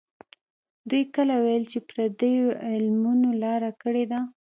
دوی کله ویل چې پردیو علمونو لاره کړې ده.